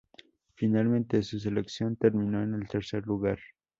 Finalmente, su selección terminó en el tercer lugar.